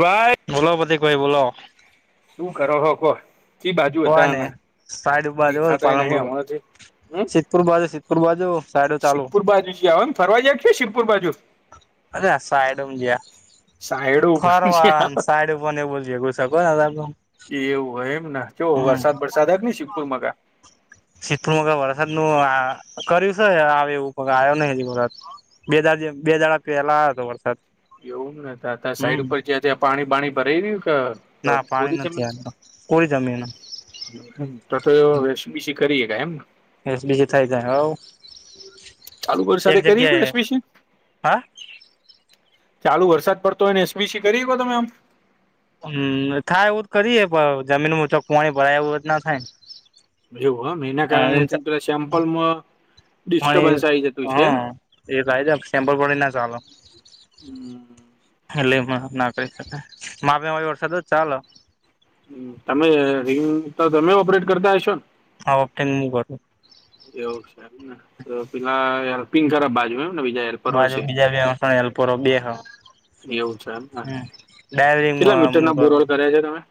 ભાઈ. બોલો, પતીકભાઈ બોલો? શું કરો હો, કો કી બાજુ કોઈ નઈ હતાને, સાઈડ બાજુ દેખાતા પાલનપુર નહીં હમણાથી. હમ સિદ્ધપુર બાજુ સિદ્ધપુર બાજુ સાઈડો ચાલુ શીપુર બાજુ જયા આવેને, ફરવા જીયા છું, શિવપુર બાજુ. અરે સાઈડ ગયા, સાયડો ઉપર ફરવા એવું સાઈડ ઉપર એવું. સગો દા તો. એવું હો, એમને જો વરસાદ વરસાદ આવે ને, શિવપુર માં. શીપલમાંગ વરસાદ નું કર્યું છે, આવે એવું પન આવ્યો નહીં વરત. બે દા બે દાડાક પહેલા આયોતો વરસાદ. એવુંને ત ત્યાં સાઈડ હમ ઉપર જ્યાં, ત્યાં પાણી પાણી ભરાઈ રહ્યું. હ, ના પાણી કોરી નથી જમીન છે. આવતો કોરી જમીન તો તો એ વેશ બસી કરીએ, ગ એમને. એસ બીજ થાય, જાય હવે. ચાલુ વરસાદે કરી, કોઈ સપીસી. હા ચાલુ વરસાદ પડતો હોયને, એસબીસી કરી શકો? તમે આમ. હમ થાય, એવું જ કરીએે, પણ જમીન ચોક વોણી ભરાય, એવું રે જ ના થાય. એવું, હમ એના ને. કારણે પેલા સેમ્પલમાં પણ એ ડિસ્ટર્બન્સ આવી જતું છે. હા એ ભાઈ છે, સેમપલવાડી ના ચાલો. હમ એટલે મા ના કરી શકાય, મામ વરસાદ ચાલો. તમે રિંગ તો તમે ઓપરેટ કરતા હશો ને. હા, ઓતેં મુ બરું. એવું છે ને, તો પેલા યાર પિક કરફ બાજુને બીજા હેલ્પર હોય બાજુ છે બીજા બેસલપોરો બે હ. એવું છે એમને હમ, ડાયરી કેટલા મીટર ના કરુ. બોરલ કર્યા છે તમે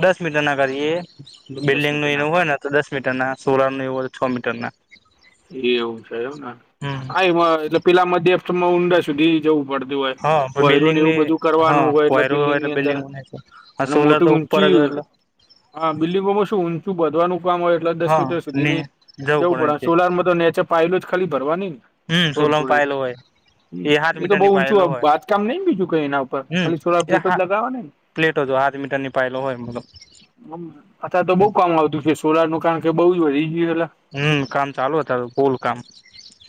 દસ મીટર ના કરી, દસ બિલ્ડિંગ મીટર નું ના એનું કરો હોય ને, તો દસ મીટર ના સોલનું એવું તો, છ મીટર ના. એ એવું છે, એમને હમ આ એટલે પેલા માધ્યમાં ઊંડા સુધી જવું પડતું. હા હોય બિલ્ડિંગ ને, એવું ની બધું હા કરવાનું હોય, એટલે પોયરું હોય બિલ્ડિંગની અંદર બિલ્ડિંગ બના અને સોલર મોટી તો ઉપર જ ઊંચી હોય એટલે હા, બિલ્ડિંગોમાં શું ઊંચું વધવાનું કામ હોય, એટલે દસ હા મીટર સુધીની જવું પડે. તો નેચે પાયે જ ખાલી ભરવાની ને. હમ, થોડી સોલોમ થોડી પાય લે હોઈ. હમ, એ તો બઉુ ઊંચું બાંધકામ નઈ, બીજું કઈ એના ઉપર ખાલી સોડા પ્લેટો જ લગાવવા ને. પ્લેટ જો હાથ મીટર નીપાયેલો હોય મ. મ અથા તો બઉુ કામ આવતું કે, સોલાર નું કારણ કે બઉુ જટ. હમ, કામ ચાલુ હતા, બૂલ કામ.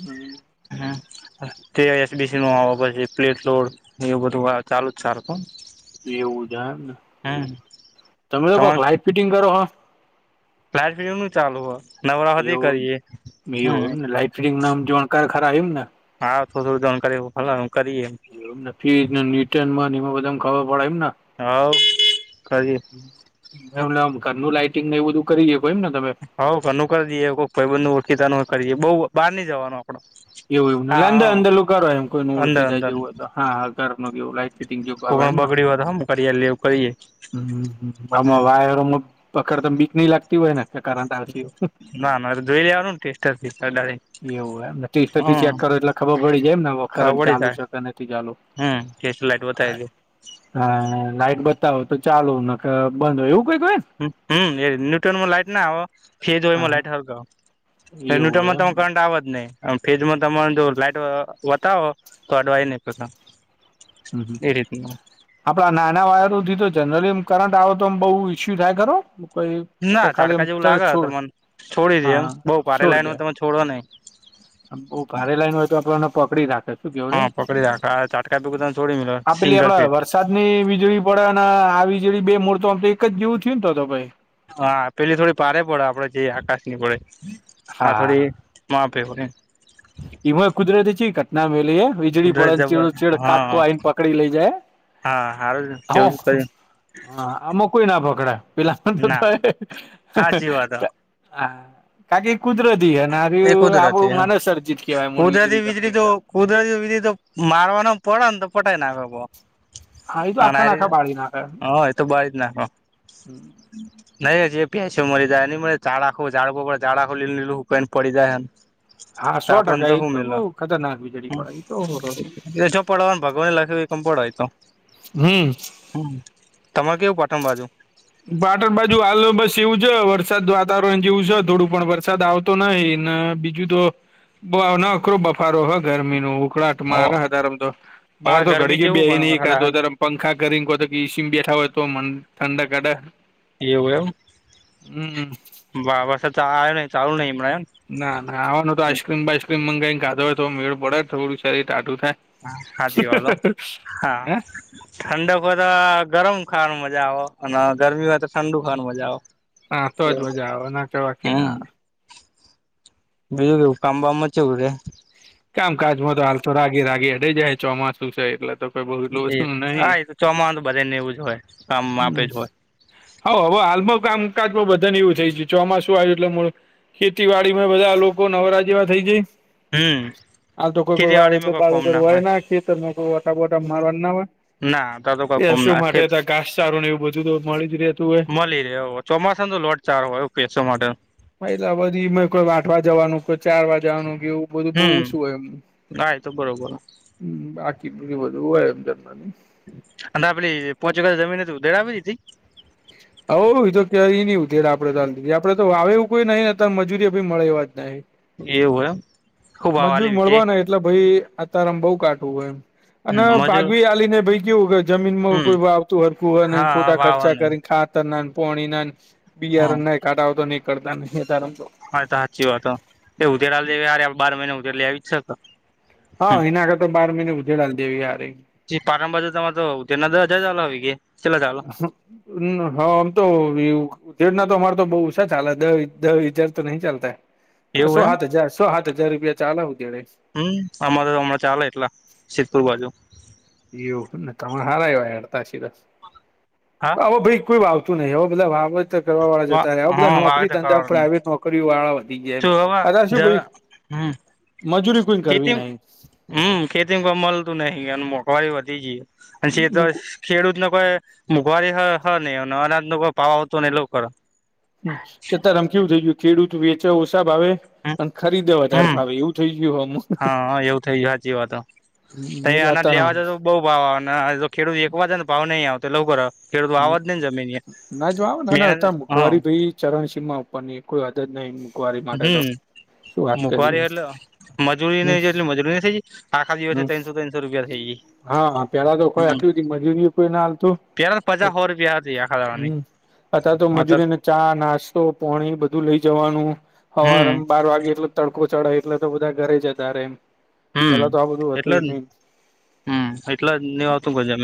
હમ. હા. તે તે આઈ એસીડીસી નો અભાવ છે પ્લે સ્ટોર ને એવું બધું આ ચાલુ છે ને એવું જાય એમને. તમે લોકો લાઈટ ફિટિંગ કરો હો? લાઈટ ફીટીંગનું ચાલુ હ. નવરા હે તે એ કરીએ. હમ ફ્રીમાંમ જોણકાર ખરા ઈમ ને. હા થોડું જાણકારી ફલમ એમ કરીએ. એવું એમને ફ્રિજમાં નેટનમાં ને એમાં બધી ખબર પડે એમને? હવ કરીએ. એમમ ઘરનું લાઈટિંગને એવું બધ કરી હકો એમ ને તમે? હઉ ઘરનું કરી દઈએ, કોક ભાઈબંધનું ઓળખીતાનું કરીએ, બઉ બહાર ની જવાનું આપડ. એવું એવું અંદર અંદરું કર એમ કોઈને અંદર ઓળખી જાય અંદર જેવું હોય હા હા ઘર કેવું લાઈટ ફિટિંગ જેવું કરવા કોકનું બગડી હો તો હમ કરી એટલા એવું કરીએ. હ આમાં વાયરોમાં પકડતા બીક નહી લાગતી હોય ને? કે કરંટ આવે છે એવું? ના ના જોઈ લેવાનું ટેસ્ટરથી અડાડી હમ એવું એમને. ટેસ્ટરથી હમ ચેક કરો એટલે ખબર પડી જાય એમને ખબર કરંટ પડી ચાલુ જાય છે કે નથી ચાલુ? હમ ટેસ્ટર લાઇટ બતાવી દે. હા લાઈટ બતાવો તો ચાલો, નક બંધ એવું કંઈક હોય ને? હ હમ એ ન્યુટન લાઈટ ના આવે છે જે એમાં હા લાઈટ હળગે. એ એવું હોય નૂટમાં ત એમને કરંટ આવજ નહી. ફ્રીજમાં તમાર જો લાઈટ બતાવો તો અડવાઈ નહી પતા. હમ હમ એ રીતનું આપડા નાના વાયરો થી તો જનરલી કરંટ આવે તોમ બહુ ઈસ્યુ થાય ખરો? કોઈ કે ના ખાલી તાડકા એમ જેવું તરત લાગે છોડ તને છોડી દે હા એમ બઉુ ભારે લાઈનું તમે છોડો નહીં. આમ બઉ ભારે લાઈને હોય તો આપડેને પકડી રાખે. શું કેવું રે હા પકડી રાખ ચાટકા બી તને છોડી મ આ પેલી સિંગલ આપડા ફટ. વરસાદની વીજળી પડે આ વીજળી બે મોરતોમ તો એક જ જેવું થયું ને તોતો ભાઈ? હા પેલી થોડી ભારે પડે આપડે જેઈ આકાશ ની પડે આ હા થોડી. માપે હોય એમ. એમાં એ કુદરત ચેવી ઘટના મેલી હે વીજ વીજળી કુદરત પડે જબર ચીડું ચીડ હા કાટકો આઈને પકડી લઈ જાય હા હારું હો. જેવું જ કરી હા આમાં કોઈ ના પકડ પેલા તો ના તોય. સાચી વાત હા કારણ કે એ કુદરતી હેને એ આર્યુ આ કુદરતી હા માનવસર્જિત. કેવાય મૂળ કુદરતી વીજળી તો ગમેધા. કુદરતી વીજળી તો મારવાના પડે ને તો પટાઈ નાખે કોક. હા એ તો આખા ને આખા બાળી નાખે. હ એ તો બાળ જ નાખ. નહી જે પ્યાચો મરી જાય ન મળ જાાડા ખો ઝડ ઝડા આખું લીલું લીલું હુકાઈને. પડી જાય એમ. હા સો ટકા એ તો બઉ ખતરનાક વીજળી પડે ઈ તો પડવા ભગવાને લખ કેમ પડવાય તો હમ હમ તમારે કેવું પાઠમ બાજુ? પાટણ બાજુ હાલો બસ એવું છે વરસાદ વાતાવરણ જેવું છે થોડું પણ વરસાદ આવ તો નહી ને બીજું તો નકરો બફારો હ ગરમીનો ઉકળાટ માંગે છે તારમ તો હવે બાર તો ગરમી ઘડી જેવું બે પણ નહી વરસાદ કરાું આવે તાર પંખા કરીને તો ઈસીમ બેઠા હોય તો ઠંડાક અડે. એવું હમ એમ બાબ આવે નહી ચાલુ નહીમણા એમ ના ના આવા નતો આઈસક્રીમ બાઈસક્રીમ મંગાવીને કાધો હોય તો મેળ પડે થોડું શરીર ટાઢું થાય. હા હાજી હલો હા હે ઠંડક હોય તો ગરમ ખાવાનું મજા આવે અને ગરમી હોય તો ઠંડુ ખાવાનું મજા આવે. હા તો જ મજા આવે ના બાકી ન હમ આવે બીજું કેવું કામ વામ કેવું કામકાજમાં તો હાલ તો રાગી રાગી હ જાય ચોમાસું છે એટલે તો કોઈ બહુ એટલું એ બધું નહી હા એ તો ચોમા તો બધા ને એવું જ હોય કામ આપે જ હોય હ હવે હાલમાં કામકાજમાં બધાને એવું થઈ ગ છે ચોમાસું આવ્યું એટલે ખેતીવાડીમાં બધા લોકો નવરા જેવા થઈ જાયશ હમ્મ હાલ તો કોઈ કોઈ વાવેતર વાવેતર હોય નાખી કોઈ વટાબોટા મારવા ના હોય ના તા તો કોઈ ત્યા કોમ શું ના માટે ખેત ત ઘાસચારું ને એવું બધું તો મળી જ રહે તું હોય મળી રે ચોમાસામાં તો લોટ ચારો હોય [unintelligible] માટે હા આ બાજુ કોઈ આઠ વા જવાનું કોઈ ચાર વા જવાનું કે એવું બધું બો હમ શું એમ હા એ તો બરોબર હમ્મ બાકી બધી બધું હોય એમ જન્વાની અને આપડી પોહચ જમીન દેડાવી દીધી હઉ એ તો કેય નઈ ઉધેર આપડે ચાલ આપડે તો વાવે એવું કોઈ નઈ ત્યારે મજૂરી ભી મળે એવા જ નહી એવ એમ ખુબ હવા મજૂર આલી કે મળવાના હોયે એટલે ભાઈ આતારમ બઉ કાટું હોય એમ અને મજૂર ભઘવી આલીને ભાઈ કેવું જમીનમાં હમ કોઈ વાવ તું હર કું હર હા ખોટા ખર્ચા વાવાની કરી ખાતર ના પોણી ના હા બિયારણ ના કાઢા તો નહી કરતા નારમ તો હા તો સાચી વાત એ ઉધતરા દે બાર મહિના ઉતર લઈ આવી જ છે તો હા એના હારે તો બાર મહિને ઉધે ડાલ દેવી આ ર પારંબજુ તમામાં તો તેના હજા ચ આવી ગ છેેલા હા આમ તો એવું [unintelligible] ના તો અમારે તો બહુ ઓછા ચાલે દ હજાર તો નહી ચાલતા સો એવું એમ? સાત હજાર સો સાત હજાર રૂપિયા ચાલાવું તણે હમ્મ અમારે તો હમણાં ચાલે એટલા શીતપુર બાજુ એવું ના તમારે હારા [unintelligible] [inaudible] ઓ ભાઈ કોઈ વાવતું નહં હો બધા વા કરવા વાળા વા જતાવે બધા હા નોકરી વાવેતર ઘધા કરવાનું પ્રાવે નોક કરી વાળા વધી જાયમ શું હવે અદા શું જ ભાઈ હમ મજૂરી કોઈ કરવી નહી હમ્મ ખેતી ક મળતું નહિ અને મોંઘવારી વધી ગી અને છે ખેડૂત ન કોઈ મોંઘવારી હ ને અનાજ ન કોઈ ભાવ આવતું નહી ને એવું કરે હ ખેતર અમ કેવું થઇ ગયું ખેડૂત વેચા ઓછા ભાવે અને ખરીદે વધારે હમ ભાવે એવું થઈ ગયું અમુ હા એવું થઈ ગયું સાચી વાત હમ્મ ઍલે અતારે [unintelligible] તો બઉુ ભાવ આવે ને તો ખેડૂત વેચવાજા ને ભાવ નહીં આવતો તો એવું કરે ખેડૂત વાવ હમ્મ જ નઈ ને જમીન ના જ મહેનત અત હ મોઘવારી ભાઈ ચરણસીમા ઉપરની કોઈ હદ જ નહી ઇકવારી માટે તો શું વાત મુઘવારી કરીએ એટલે મજૂર ને હમ એટલી મજૂરી ન થઈ જ આખા દિવસે હમ ત્રણસો ત્રણસો રૂપિયા થઈ ગઈ હા પેલા તો હ કોઈ આટલી બધી મજૂરી કોઈ ના હાલતું પેલા તો પચા હો રૂપિયા હતી આખા દાળા ની અતાર મજૂરીની ચા નાસ્તો પોણી બધું લઈ જવાનું હમ હવારમા બાર વાગે એટલે તડકો ચડે એટલે તો બધા ઘરે જતા રે હમ્મ પેલા તો આ બધું હતું એટલે જ નહી હમ્મ એટલે જ નહી આવતું ગજમ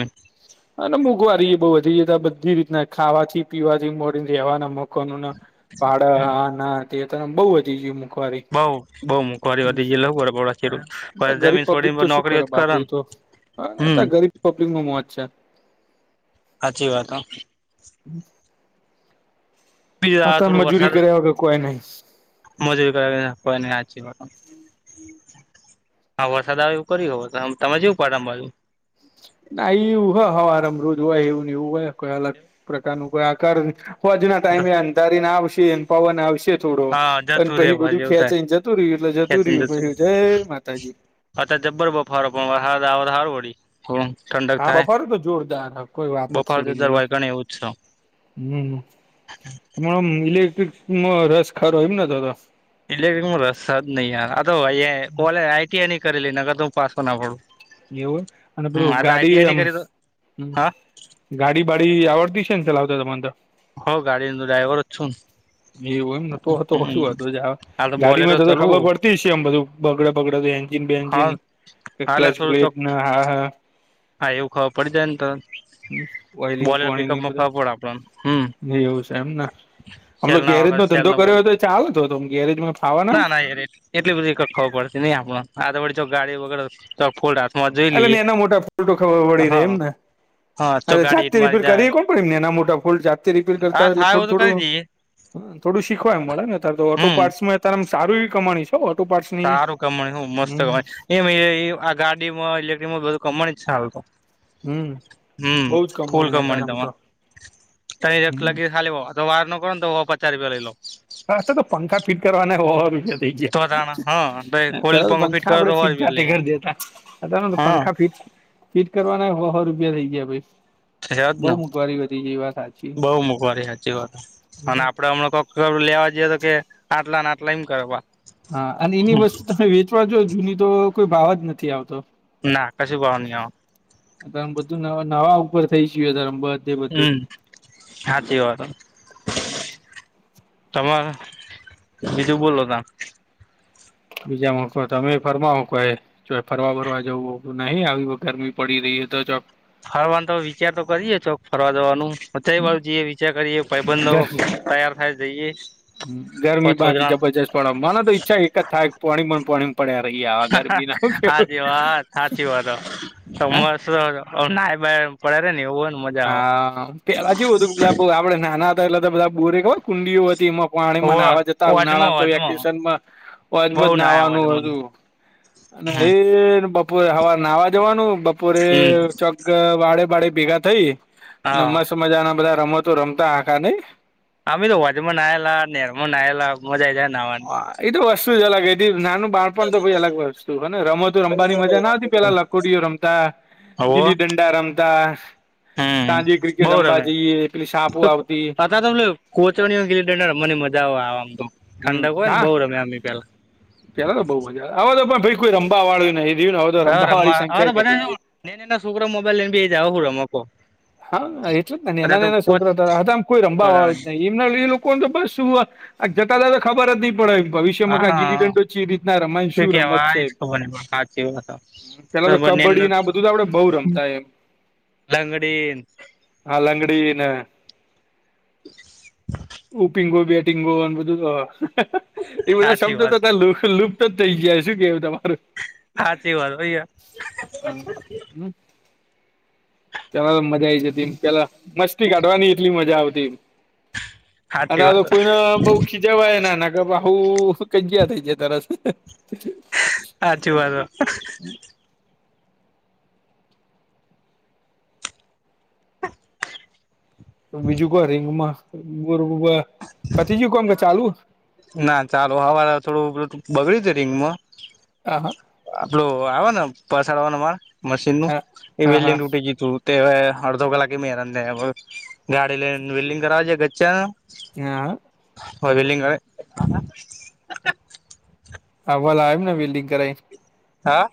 અને મોઘવારી એ બઉ વધી જતા બધી રીતના ખાવાથી પીવાથી મોડીને રહેવાના લોકો પાડા હા ના તે બહુ વધી ગયુ બઉ બઉ મોંઘવારી વધી ગઈ એટલે [unintelligible] ગરીબ પબ્લિક તો શું કરે આપડી તો હ હમ ગરીબ પબ્લિક નું મોત છે. સાચી વાત હ [inaudible] બીજું આ આતો થોડું મજૂરી વરસાદ કર્યા વગર કોઈ નહી. મજૂરી કરી નાખવાની હાચી વાત. હા વરસાદ આવે કર્યુ તમે શું પડામાં વાવ્યું. ના એ એવું હ હવાર રોજ હોય એવું ને એવું હોય કોઈ અલગ પ્રકાર નુ કોઈ આકાર હોજના ટાઈમે અંધારી ને આવશે પવન આવશે. થોડો હા અને જતું રે પછી ભાઈ બધું એવું થાય ખેંચાઈને જતું રહ્યું એટલે જતું રહ્યું પછ જય માતાજી. અતાર જબ્બર બફારો પણ વરહાદ આવે તો સારું વડી. હમ્મ ઠંડક હા થાય બફારો તો જોરદાર હ કોઈ બફાર તો તર વાયગણ એવું જ છે. હમ્મ મીલેટ્રીકસ માં રસ ખરો એમ તો તો. ઇલેક્ટિકમાં રસ જ નહી આઈ આરટીઆઇ નહી કરેલી નકર હું પાસો ના પડું. એવું હે અને પેલુ હમ આ તો ગાડી આઈટીઆઈ ની આમ કરી તો હ. હા ગાડી બાડી આવડતી છે ચલા આવતા તમાને તો. હો ગાડીનો તો ડ્રાઈવર છું એવું એમ નતો હતો ને શું હમ હતો જ આ તો ગાડી બોલેરો માં તો ખબર ચલવું પડતી તે સેમ બધું બગડે બગડે એન્જિન બેએન્જિન હા હાલે ક્લચ થોડું બ્રેક ચોક ને આ. હા એવું ખબર પડી જાયને તો. હ ઓઇલિંગ બોલેરો પાણી ઈ પિકઅપમાં ખબર પડે આપણને હમ બધું એવું છે એમને. આમ તો સેલ ના વગર ગેરેજનો સેલ ધંધો કર્યો હોય તોય ચાલે તો ગેરેજમાં. ફાવાના ના-ના યાર એટલી બધી ખબર પડતી નહી આપણો આે વડી ચો ગાડી વગર. ચોક ફૂલ હાથમાં જોઈ એટ લઈએ ને એના મોટા ફોટો ખબર પડી રહે હા એમને. હા ચો હવે ગાડી જાતે તમારી રીપેર જાય કરીએ કોણ પ એમને એના મોટા ફોલ્ટ જાતે રિપેર કરતા હા હોય એટલે થાય એવું તો કરી થોડું-થોડું. દઈએ હમ્મ થોડું શીખવાયમ મળે ને અતારે તો ઓટો હમ પાર્ટ્સમાં અતારે સારુ એવી કમાણી છે. કેમ ઓટોપર્ટ્સ સારુ કમાણી હું મસ્ત એ આ ગાડી માં ઇલેક્ટ્રિક માં બધું કમાણી સારુ. હમ હમ્મ બઉ જ ફૂલ હે કમાણી તારેમ તો તમારે કહે એટલા હમ આલી દેવાના. તો વાયર નો કરુ ઓમે પચા રૂપિયા લઈ લઉ. હાસ્તે પંખા ફિટ કરવાના હો રોપિયાં. થઈ તો તાણા હા ગયા ખોલીને પેલા તો પંખો પંખા કરો તો આપડે સો ફીટ રૂપિયા લે જાતે કરી દેતા અતારે તો હા પંખા ફીટ ફિટ કરવાના હો-હો રૂપિયા થઈ ગયા ભઈ. થયા જ ન સાચી બહુ મોઘવારી હાચી વાત અને આપડે હમણા કોક ઘર લેવા જઈએ તો કે આટલાને આટલા એમ કરવા. હા અને એની વસ્તુ તમે વેચવા જો જૂની તો કોઈ ભાવ જ નથી આવતો. ના કશું ભાવ ની આવ, તમ બધું ન નવા ઉપર થઈ ગયું ધારમ બધ, હમ હાચી વાત હો. તમાર બીજું બોલો તા. બીજા મકો તમે ફરમાવું કો હે. જો ફરવા વરવા જવું હો નહી આવી ગરમી પડી રહી હ તો ચ્યોક. ફરવાનું તો વિચાર તો કરીએ ચોક ફરવા જવાનું તય વાળુ જઈએ વિચાર કરીએ ભાઈબંધો તયાર હાર જઈએ. ગરમી પાંચ છ બાકી જણા જબરજસ્ત પણ માને તો ઈચ્છા એક જ થાય પાણી મ ન પાણી મ પડ્યા રહીય આવ ગરમી ના હુ કેવુ. હાચી વાત હાચી વાત હ સમસ ના બા પડે રે ન એવું હો. હા પહેલા જેવું હતું બ આપડે નાના હતા એટલા બધા બોરે કેવાય કુંડીઓ હતી એમાં, પાણીમાં આવે નાહવા જતા હોવે વજમો ઉનાળામાં તો વજમો વેકેશન માં હોજ માં જ બઉ નાયા નાહવાનું વજમો હતું. અને હમ લે બપ બપોરે હવારે નાહવા જવાનું બપોરે ચોક વાડે ભાડે ભેગા થઈ, અને હા મસ્ત મજાના બધા રમતો રમતા આખા નઈ. અમે તો હોજ માં નહાયેલા, નેહર મા નાહેલા મોજ આઇ જાય નાહવાની. એ તો વસ્તુ જ અલગ હતી નાનુ બાણ પણ તો અલગ વસ્તુ હને રમતો રમવાની મજા ના આવતી પહેલા લખોટીઓ રમતા હોવ ગીલીં ડ ડા રમતા હમ સાંજે ક્રિકેટ રમવા જઈએ પેલી સાપુ આવતી. ના તો અમને કોચે ગિલી ડંડા રમવાની મજાય આવે આમ તો હમ ઠંડક હોય ને હા બઉ રમે્યા આમ પેલા. પેલા તો બઉ મજા હવે તો પણ ભઈ કોઈ રમબવા વાળું નહી રહ્યું હવે તો હા વાળી રમવા હવે તો સંખ્યા ઘટી બધા એ ગઈ. [unintelligible] છોકરાઓ મોબાઈલ લઈને બેહી જાય હવે હું રમવા. હા એટલે જ નેના નેના ના પોચ છોકરા હતા હ અતા કોઈ રમવા વાળુ જ નહીં. એમના [unintelligible] લોકોણ તો પ શું હ જતા જ ખબર જ નહી પડે એમ. ભવિષ્યમાં ક ગીલી હા દંડો છે ચી રીતના રમાય શું રમત કેવાય છે. જ ખબર નઈ પણ સાચી વાત પેલા તો બરોબર કબડ્ડી નેના ને આ બધું તો આપડે બહુ રમતા એમ. લંગડી હા લંગડી ને ઊપીગોબે [unintelligible] એ બધા સાચી શબ્દો વાત અતાર [inaudible] લુપ્ત થઈ ગયા શું કેવુ તમારે સાચી વાત ભૈયા [unintelligible] પેલા મજા આઇ જતી એ પેલા મસ્તી કાઢવાની એટલી મજા આવતી. સાચી અતા તો વાત કોઈને બઉ ખી જવાય ના નાગ ભહુ કાઈ કે ચયા હતા છે તરત. હાચી વાત [unintelligible] બીજું કોઈ રંગમાં [unintelligible] પતી ગયું કોમ કે ચાલુ. ના ચાલો હવારે થોડું બગડ્યું તું રિંગમાં. આહા. આપડું આવે ને પસાડવાનું મારે મશીન નુ હા હા એવે લિંગ હા ટુટી ગયું તું. તે હવે અડધો કલાકે મેહનત લે હ ગાડી લઈન વેડિંગ કરાવ [unintelligible] [unintelligible] [unintelligible] હવાલ આવે ને વિલ્લ્ડિંગ કરાઇન. હા.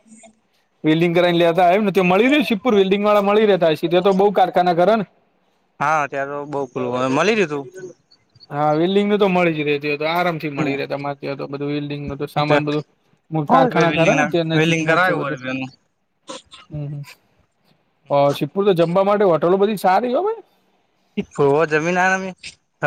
વેલ્ડિંગ કરાવને લેતા હતા એમને મળી રહી છેપુર વેલ્ડિંગ વાળા મળી રહ્યા હશ તો તે બહુ કારખાના ખરાને. હા ત્યા તો બઉુ પેલુ હવે મળી રહેતું. હા વિલ્ડિંગ નું તો મળી જ રહેતી આરામથી હમ મળી રહે તમારી ત્યાં બધું વિલ્ડિંગ નું તો સામાન બધું. [unintelligible] કારખાના ખરા ને ત્યા વેલ્ડિંગ નજીકમાં છે કરાયું હોય બધું. એનું હમ્મ ઓ [unintelligible] તો જમવા માટે હોટલો બધી સારી હોવે. [unintelligible]